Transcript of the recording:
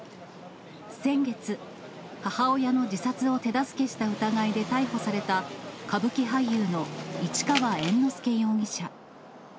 先月、母親の自殺を手助けした疑いで逮捕された、歌舞伎俳優の市川猿之助容疑者。